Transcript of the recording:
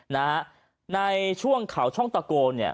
ในช่วงเขาช่องตะโกน